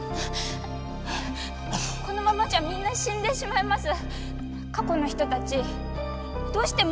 このままじゃみんな死んでしまいます。